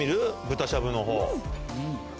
豚しゃぶのほう。